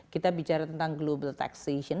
kita bicara tentang global taxation